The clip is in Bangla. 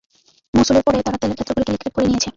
মোসুলের পরে, তারা তেলের ক্ষেত্রগুলিকে লিক্রেট করে নিয়েছে।